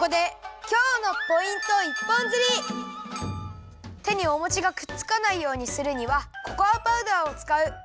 ここでてにおもちがくっつかないようにするにはココアパウダーをつかう！